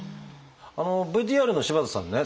ＶＴＲの柴田さんね